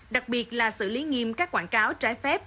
đặc biệt là xử lý nghiêm các quảng cáo trái phép